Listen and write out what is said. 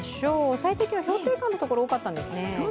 最低気温、氷点下の所が多かったんですね。